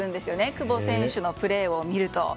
久保選手のプレーを見ると。